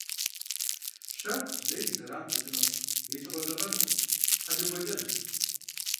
Пщэху зэи и зэран къокӏынукъым икӏи къодзэкъэнукъым, хьэлэболэжьщ.